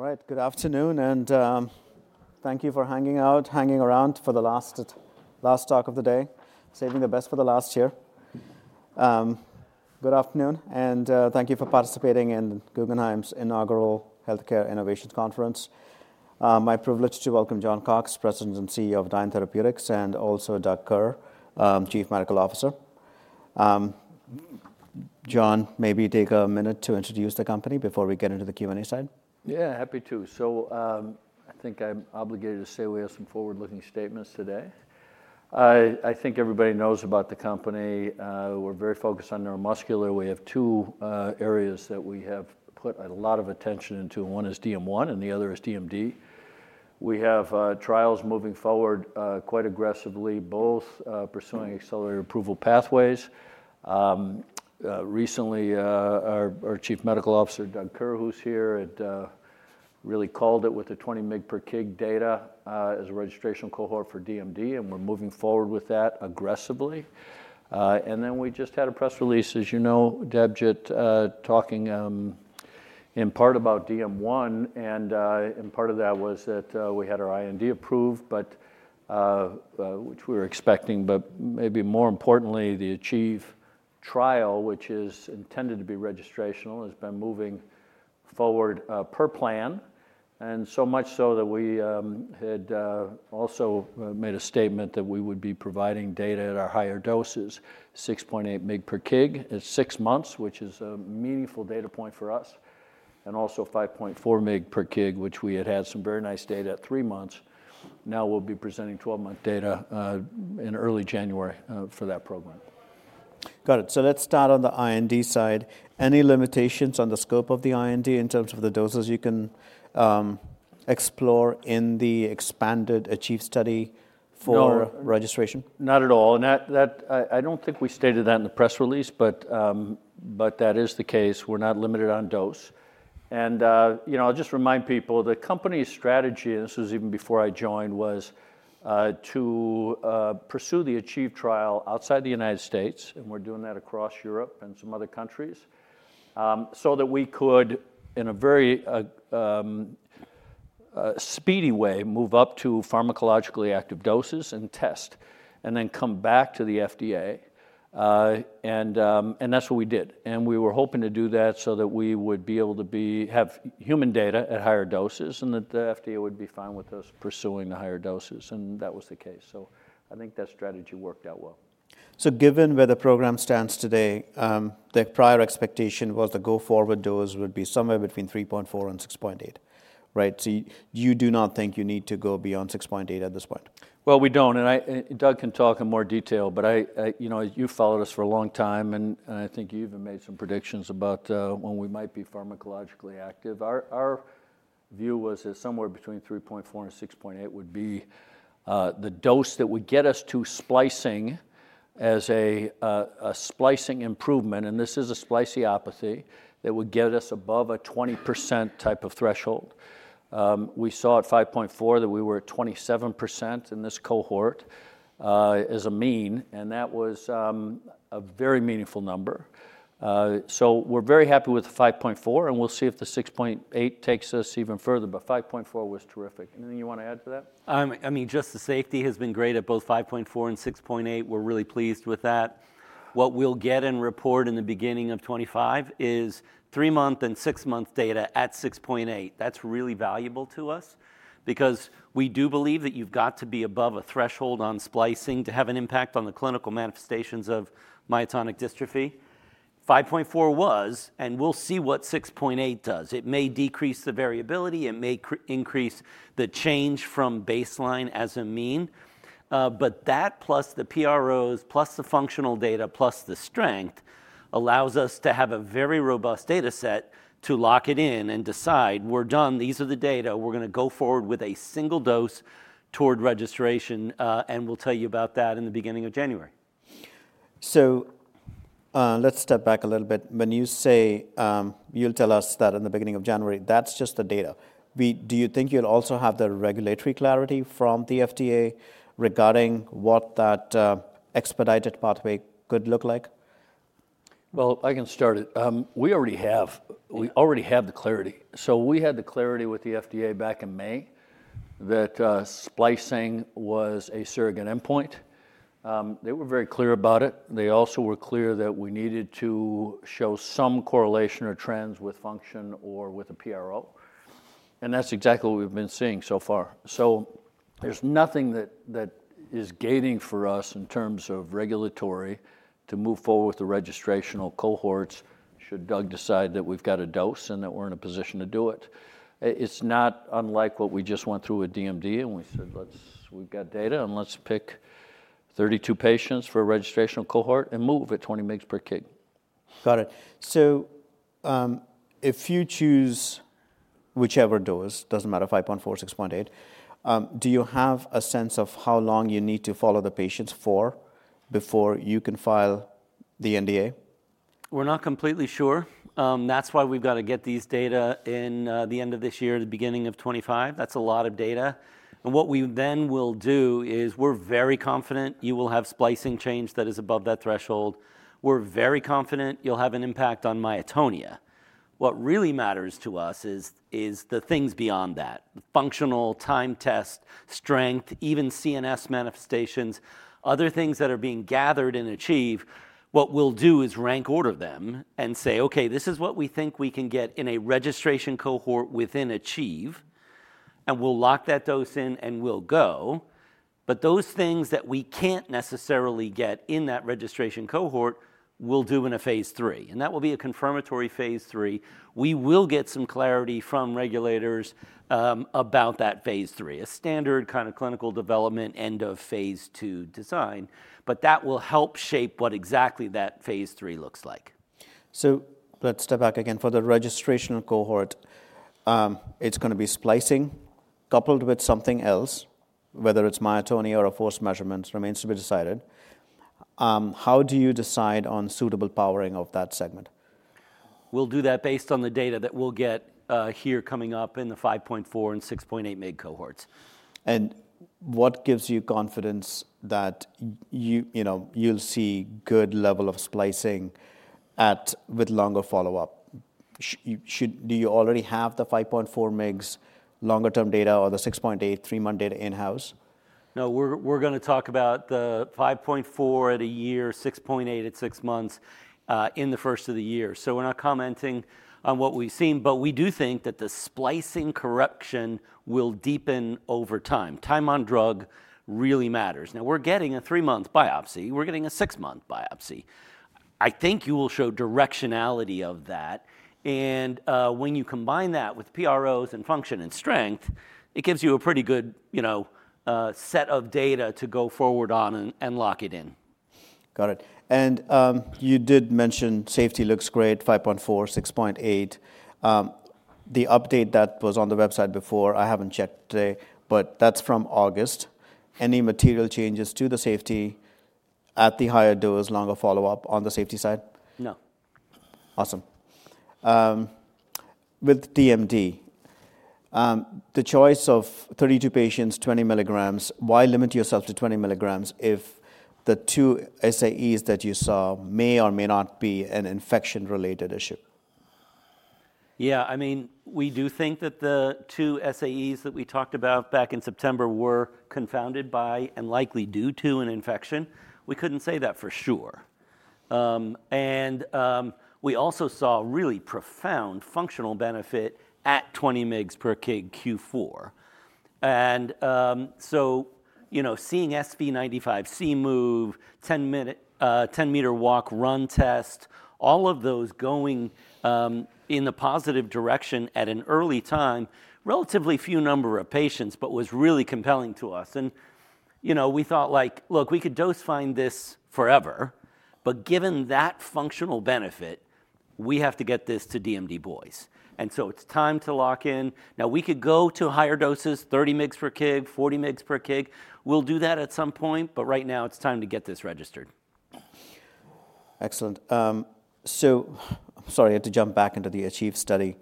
All right, good afternoon, and thank you for hanging out, hanging around for the last talk of the day, saving the best for the last year. Good afternoon, and thank you for participating in Guggenheim's Inaugural Healthcare Innovations Conference. My privilege to welcome John Cox, President and CEO of Dyne Therapeutics, and also Doug Kerr, Chief Medical Officer. John, maybe take a minute to introduce the company before we get into the Q&A side. Yeah, happy to, I think I'm obligated to say we have some forward-looking statements today. I think everybody knows about the company. We're very focused on neuromuscular. We have two areas that we have put a lot of attention into. One is DM1, and the other is DMD. We have trials moving forward quite aggressively, both pursuing accelerated approval pathways. Recently, our Chief Medical Officer, Doug Kerr, who's here, really called it with the 20 mg/kg data as a registration cohort for DMD, and we're moving forward with that aggressively. We just had a press release, as you know, Debjit, talking in part about DM1, and part of that was that we had our IND approved, which we were expecting, but maybe more importantly, the ACHIEVE trial, which is intended to be registrational, has been moving forward per plan, and so much so that we had also made a statement that we would be providing data at our higher doses, 6.8 mg/kg in six months, which is a meaningful data point for us, and also 5.4 mg/kg, which we had had some very nice data at three months. Now we'll be presenting 12-month data in early January for that program. Got it. So let's start on the IND side. Any limitations on the scope of the IND in terms of the doses you can explore in the expanded ACHIEVE study for registration? Not at all. And I don't think we stated that in the press release, but that is the case. We're not limited on dose. And I'll just remind people, the company's strategy, and this was even before I joined, was to pursue the ACHIEVE trial outside the United States, and we're doing that across Europe and some other countries, so that we could, in a very speedy way, move up to pharmacologically active doses and test, and then come back to the FDA. And that's what we did. And we were hoping to do that so that we would be able to have human data at higher doses, and that the FDA would be fine with us pursuing the higher doses, and that was the case. So I think that strategy worked out well. So given where the program stands today, the prior expectation was the go-forward dose would be somewhere between 3.4 and 6.8, right? So you do not think you need to go beyond 6.8 at this point? Well, we don't. And Doug can talk in more detail, but you followed us for a long time, and I think you even made some predictions about when we might be pharmacologically active. Our view was that somewhere between 3.4 and 6.8 would be the dose that would get us to splicing as a splicing improvement, and this is a spliceopathy, that would get us above a 20% type of threshold. We saw at 5.4 that we were at 27% in this cohort as a mean, and that was a very meaningful number. So we're very happy with 5.4, and we'll see if the 6.8 takes us even further, but 5.4 was terrific. Anything you want to add to that? I mean, just the safety has been great at both 5.4 and 6.8. We're really pleased with that. What we'll get and report in the beginning of 2025 is three-month and six-month data at 6.8. That's really valuable to us because we do believe that you've got to be above a threshold on splicing to have an impact on the clinical manifestations of myotonic dystrophy. 5.4 was, and we'll see what 6.8 does. It may decrease the variability. It may increase the change from baseline as a mean, but that plus the PROs plus the functional data plus the strength allows us to have a very robust data set to lock it in and decide, "We're done. These are the data. We're going to go forward with a single dose toward registration," and we'll tell you about that in the beginning of January. So let's step back a little bit. When you say you'll tell us that in the beginning of January, that's just the data, do you think you'll also have the regulatory clarity from the FDA regarding what that expedited pathway could look like? I can start it. We already have the clarity. We had the clarity with the FDA back in May that splicing was a surrogate endpoint. They were very clear about it. They also were clear that we needed to show some correlation or trends with function or with a PRO, and that's exactly what we've been seeing so far. There's nothing that is gating for us in terms of regulatory to move forward with the registration cohorts should Doug decide that we've got a dose and that we're in a position to do it. It's not unlike what we just went through with DMD, and we said, "We've got data, and let's pick 32 patients for a registration cohort and move at 20 mg/kg. Got it. So if you choose whichever dose, doesn't matter 5.4, 6.8, do you have a sense of how long you need to follow the patients for before you can file the NDA? We're not completely sure. That's why we've got to get these data in the end of this year, the beginning of 2025. That's a lot of data. And what we then will do is we're very confident you will have splicing change that is above that threshold. We're very confident you'll have an impact on myotonia. What really matters to us is the things beyond that: functional, timed test, strength, even CNS manifestations, other things that are being gathered in ACHIEVE. What we'll do is rank order them and say, "Okay, this is what we think we can get in a registration cohort within ACHIEVE," and we'll lock that dose in and we'll go. But those things that we can't necessarily get in that registration cohort, we'll do in a phase three, and that will be a confirmatory phase three. We will get some clarity from regulators about that phase three, a standard kind of clinical development end of phase two design, but that will help shape what exactly that phase three looks like. So let's step back again. For the registration cohort, it's going to be splicing coupled with something else, whether it's myotonia or a FORCE measurement remains to be decided. How do you decide on suitable powering of that segment? We'll do that based on the data that we'll get here coming up in the 5.4 and 6.8 mg cohorts. What gives you confidence that you'll see good level of splicing with longer follow-up? Do you already have the 5.4 mgs longer-term data or the 6.8 three-month data in-house? No, we're going to talk about the 5.4 at a year, 6.8 at six months in the first of the year. So we're not commenting on what we've seen, but we do think that the splicing corruption will deepen over time. Time on drug really matters. Now we're getting a three-month biopsy. We're getting a six-month biopsy. I think you will show directionality of that, and when you combine that with PROs and function and strength, it gives you a pretty good set of data to go forward on and lock it in. Got it, and you did mention safety looks great, 5.4, 6.8. The update that was on the website before, I haven't checked today, but that's from August. Any material changes to the safety at the higher dose, longer follow-up on the safety side? No. Awesome. With DMD, the choice of 32 patients, 20 milligrams, why limit yourself to 20 milligrams if the two SAEs that you saw may or may not be an infection-related issue? Yeah, I mean, we do think that the two SAEs that we talked about back in September were confounded by and likely due to an infection. We couldn't say that for sure. And we also saw really profound functional benefit at 20 mg/kg Q4. And so seeing SV95C move, 10-meter walk run test, all of those going in the positive direction at an early time, relatively few number of patients, but was really compelling to us. And we thought, like, "Look, we could dose find this forever, but given that functional benefit, we have to get this to DMD boys." And so it's time to lock in. Now we could go to higher doses, 30 mg/kg, 40 mg/kg. We'll do that at some point, but right now it's time to get this registered. Excellent, so sorry, I had to jump back into the ACHIEVE study.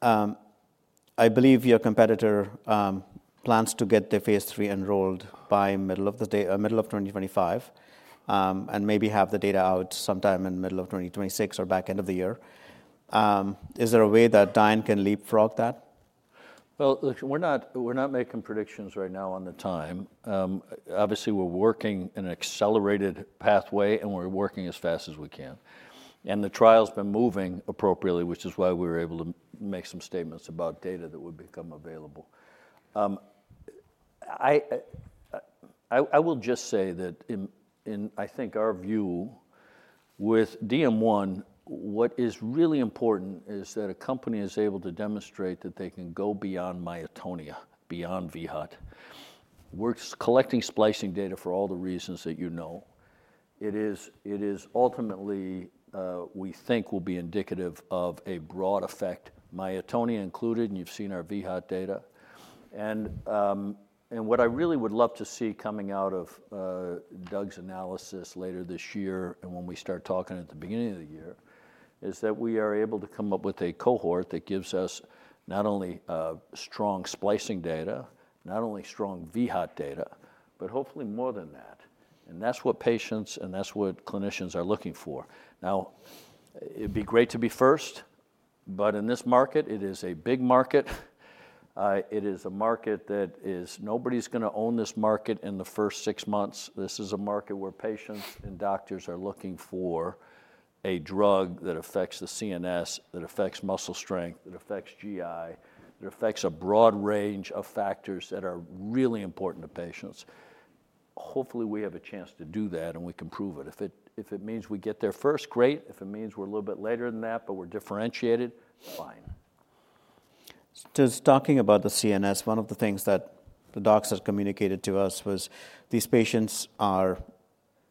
I believe your competitor plans to get the phase three enrolled by middle of 2025 and maybe have the data out sometime in middle of 2026 or back end of the year. Is there a way that Dyne can leapfrog that? We're not making predictions right now on the time. Obviously, we're working in an accelerated pathway, and we're working as fast as we can. And the trial's been moving appropriately, which is why we were able to make some statements about data that would become available. I will just say that in, I think, our view with DM1, what is really important is that a company is able to demonstrate that they can go beyond myotonia, beyond vHOT. We're collecting splicing data for all the reasons that you know. It is ultimately, we think, will be indicative of a broad effect, myotonia included, and you've seen our vHOT data. And what I really would love to see coming out of Doug's analysis later this year and when we start talking at the beginning of the year is that we are able to come up with a cohort that gives us not only strong splicing data, not only strong vHOT data, but hopefully more than that. And that's what patients and that's what clinicians are looking for. Now, it'd be great to be first, but in this market, it is a big market. It is a market that is nobody's going to own this market in the first six months. This is a market where patients and doctors are looking for a drug that affects the CNS, that affects muscle strength, that affects GI, that affects a broad range of factors that are really important to patients. Hopefully, we have a chance to do that and we can prove it. If it means we get there first, great. If it means we're a little bit later than that, but we're differentiated, fine. Just talking about the CNS, one of the things that the docs had communicated to us was these patients are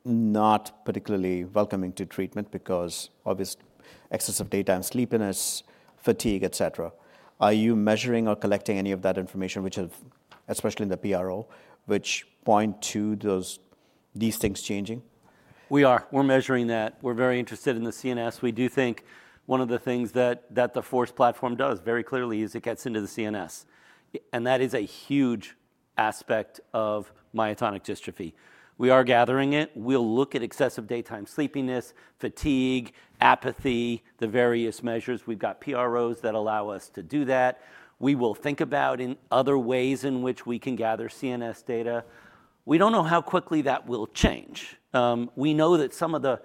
not particularly welcoming to treatment because of excessive daytime sleepiness, fatigue, et cetera. Are you measuring or collecting any of that information, especially in the PRO, which point to these things changing? We are. We're measuring that. We're very interested in the CNS. We do think one of the things that the FORCE platform does very clearly is it gets into the CNS, and that is a huge aspect of myotonic dystrophy. We are gathering it. We'll look at excessive daytime sleepiness, fatigue, apathy, the various measures. We've got PROs that allow us to do that. We will think about other ways in which we can gather CNS data. We don't know how quickly that will change. We know that some of the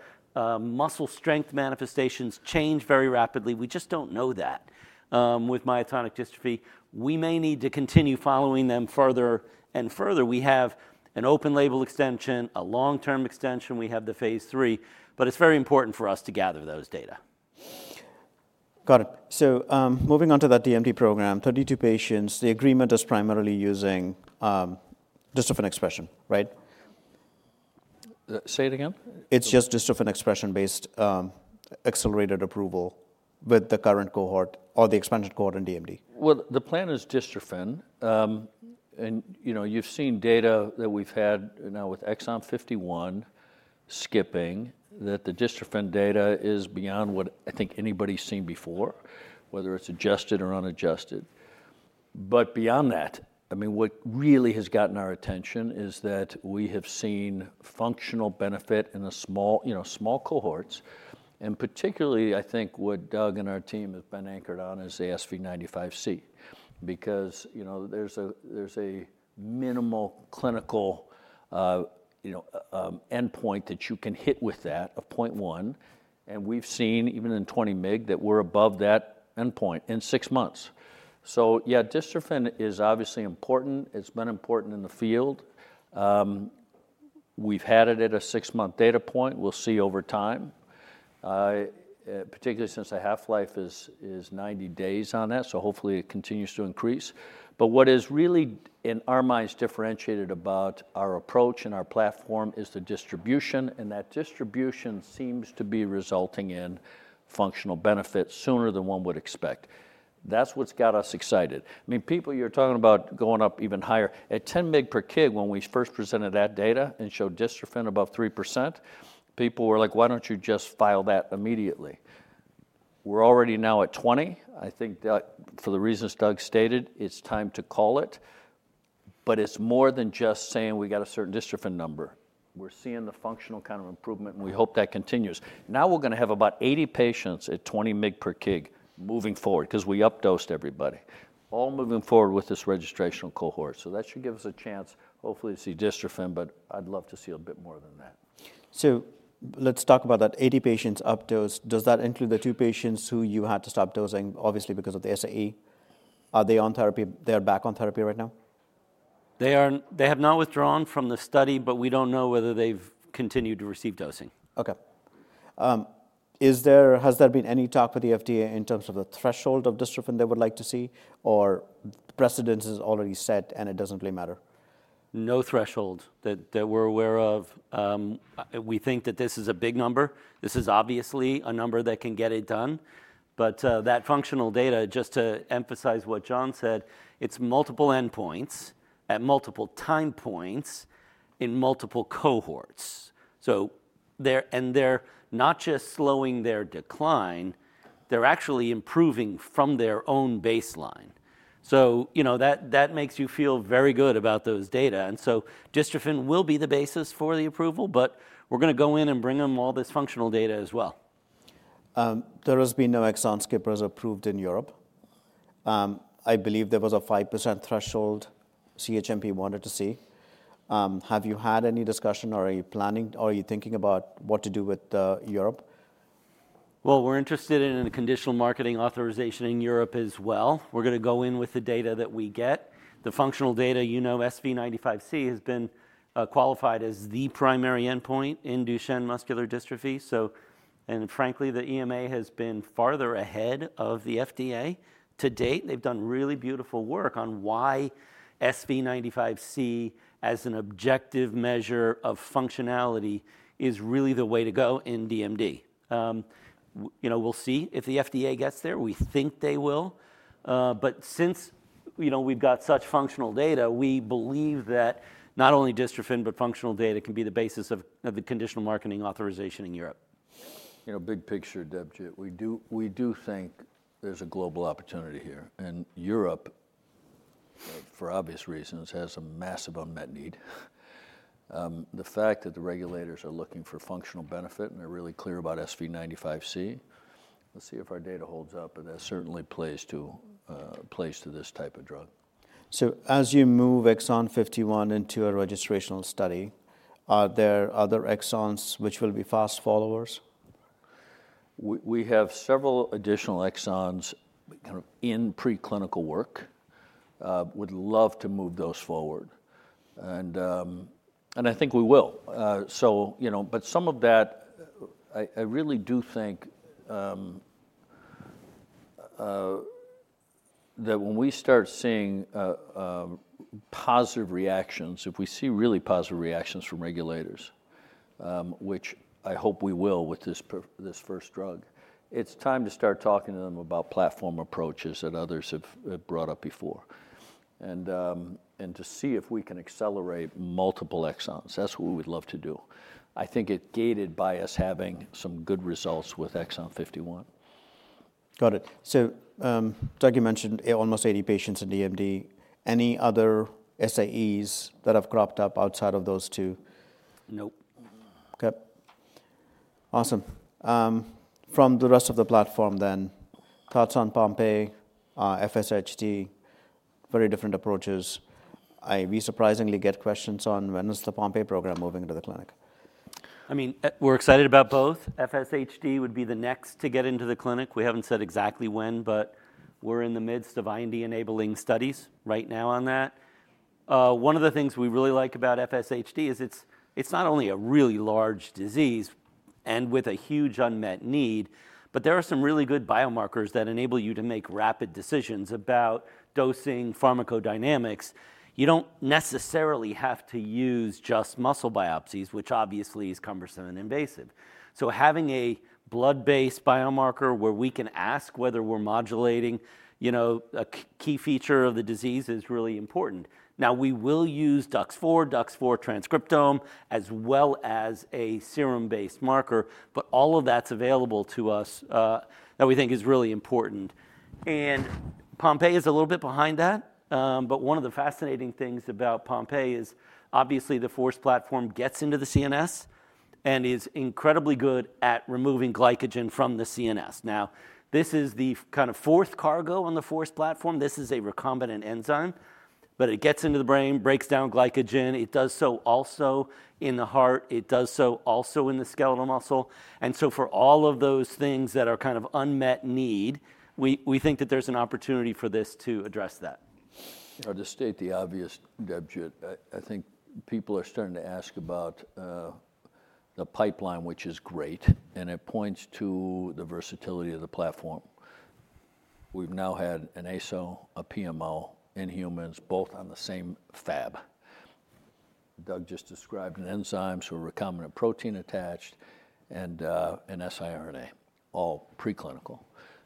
muscle strength manifestations change very rapidly. We just don't know that with myotonic dystrophy. We may need to continue following them further and further. We have an open label extension, a long-term extension. We have the phase three, but it's very important for us to gather those data. Got it. So moving on to that DMD program, 32 patients, the agreement is primarily using dystrophin expression, right? Say it again. It's just dystrophin expression-based accelerated approval with the current cohort or the expanded cohort in DMD? The plan is dystrophin, and you've seen data that we've had now with Exon 51 skipping that the dystrophin data is beyond what I think anybody's seen before, whether it's adjusted or unadjusted. But beyond that, I mean, what really has gotten our attention is that we have seen functional benefit in small cohorts, and particularly, I think what Doug and our team have been anchored on is the SV95C because there's a minimal clinical endpoint that you can hit with that of 0.1, and we've seen even in 20 mg that we're above that endpoint in six months. So yeah, dystrophin is obviously important. It's been important in the field. We've had it at a six-month data point. We'll see over time, particularly since a half-life is 90 days on that, so hopefully it continues to increase. But what is really in our minds differentiated about our approach and our platform is the distribution, and that distribution seems to be resulting in functional benefit sooner than one would expect. That's what's got us excited. I mean, people, you're talking about going up even higher. At 10 mg/kg, when we first presented that data and showed dystrophin above 3%, people were like, "Why don't you just file that immediately?" We're already now at 20. I think for the reasons Doug stated, it's time to call it, but it's more than just saying we got a certain dystrophin number. We're seeing the functional kind of improvement, and we hope that continues. Now we're going to have about 80 patients at 20 mg/kg moving forward because we up-dosed everybody, all moving forward with this registration cohort. So that should give us a chance hopefully to see Dystrophin, but I'd love to see a bit more than that. So let's talk about that 80 patients up-dose. Does that include the two patients who you had to stop dosing, obviously because of the SAE? Are they on therapy? They're back on therapy right now? They have not withdrawn from the study, but we don't know whether they've continued to receive dosing. Okay. Has there been any talk with the FDA in terms of the threshold of dystrophin they would like to see, or precedent is already set and it doesn't really matter? No threshold that we're aware of. We think that this is a big number. This is obviously a number that can get it done, but that functional data, just to emphasize what John said, it's multiple endpoints at multiple time points in multiple cohorts, and they're not just slowing their decline. They're actually improving from their own baseline, so that makes you feel very good about those data, and so dystrophin will be the basis for the approval, but we're going to go in and bring them all this functional data as well. There has been no Exon skippers approved in Europe. I believe there was a 5% threshold CHMP wanted to see. Have you had any discussion or are you thinking about what to do with Europe? Well, we're interested in a conditional marketing authorization in Europe as well. We're going to go in with the data that we get. The functional data, you know, SV95C has been qualified as the primary endpoint in Duchenne muscular dystrophy. And frankly, the EMA has been farther ahead of the FDA to date. They've done really beautiful work on why SV95C as an objective measure of functionality is really the way to go in DMD. We'll see if the FDA gets there. We think they will. But since we've got such functional data, we believe that not only dystrophin, but functional data can be the basis of the conditional marketing authorization in Europe. Big picture, Doug, we do think there's a global opportunity here, and Europe, for obvious reasons, has a massive unmet need. The fact that the regulators are looking for functional benefit and they're really clear about SV95C, let's see if our data holds up, but that certainly plays to this type of drug. So as you move exon 51 into a registrational study, are there other exons which will be fast followers? We have several additional exons kind of in preclinical work. We'd love to move those forward, and I think we will. But some of that, I really do think that when we start seeing positive reactions, if we see really positive reactions from regulators, which I hope we will with this first drug, it's time to start talking to them about platform approaches that others have brought up before and to see if we can accelerate multiple Exons. That's what we'd love to do. I think it's gated by us having some good results with Exon 51. Got it. So Doug, you mentioned almost 80 patients in DMD. Any other SAE's that have cropped up outside of those two? Nope. Okay. Awesome. From the rest of the platform then, thoughts on Pompe, FSHD, very different approaches. I surprisingly get questions on when is the Pompe program moving to the clinic? I mean, we're excited about both. FSHD would be the next to get into the clinic. We haven't said exactly when, but we're in the midst of IND enabling studies right now on that. One of the things we really like about FSHD is it's not only a really large disease and with a huge unmet need, but there are some really good biomarkers that enable you to make rapid decisions about dosing pharmacodynamics. You don't necessarily have to use just muscle biopsies, which obviously is cumbersome and invasive. So having a blood-based biomarker where we can ask whether we're modulating a key feature of the disease is really important. Now, we will use DUX4, DUX4 transcriptome, as well as a serum-based marker, but all of that's available to us that we think is really important. Pompe is a little bit behind that, but one of the fascinating things about Pompe is obviously the Force platform gets into the CNS and is incredibly good at removing glycogen from the CNS. Now, this is the kind of fourth cargo on the Force platform. This is a recombinant enzyme, but it gets into the brain, breaks down glycogen. It does so also in the heart. It does so also in the skeletal muscle. And so for all of those things that are kind of unmet need, we think that there's an opportunity for this to address that. I'll just state the obvious, Doug. I think people are starting to ask about the pipeline, which is great, and it points to the versatility of the platform. We've now had an ASO, a PMO in humans, both on the same FORCE. Doug just described an enzyme or a recombinant protein attached and an siRNA, all preclinical.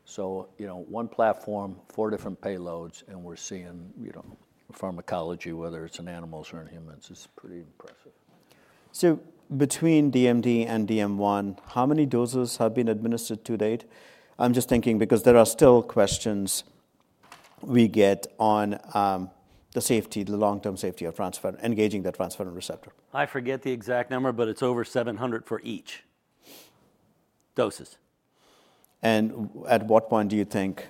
So one platform, four different payloads, and we're seeing pharmacology, whether it's in animals or in humans, is pretty impressive. So between DMD and DM1, how many doses have been administered to date? I'm just thinking because there are still questions we get on the safety, the long-term safety of engaging the transferrin receptor. I forget the exact number, but it's over 700 for each doses. At what point do you think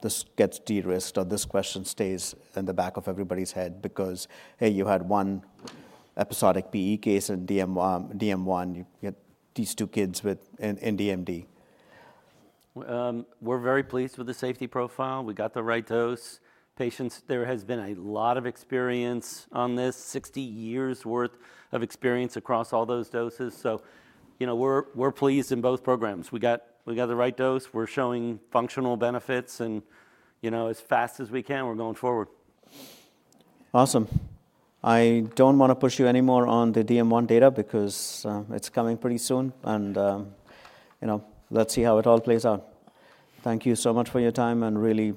this gets de-risked or this question stays in the back of everybody's head because, hey, you had one episodic PE case in DM1, you get these two kids in DMD? We're very pleased with the safety profile. We got the right dose. There has been a lot of experience on this, 60 years' worth of experience across all those doses. So we're pleased in both programs. We got the right dose. We're showing functional benefits, and as fast as we can, we're going forward. Awesome. I don't want to push you anymore on the DM1 data because it's coming pretty soon, and let's see how it all plays out. Thank you so much for your time and really.